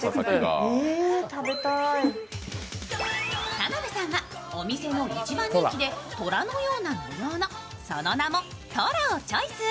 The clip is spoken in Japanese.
田辺さんはお店の一番人気で虎のような模様のその名もとらをチョイス。